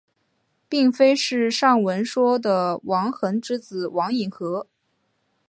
并非是上文说的王桓之子王尹和。